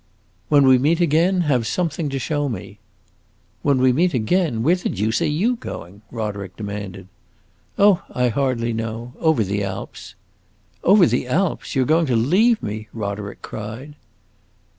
"When we meet again, have something to show me." "When we meet again? Where the deuce are you going?" Roderick demanded. "Oh, I hardly know; over the Alps." "Over the Alps! You 're going to leave me?" Roderick cried.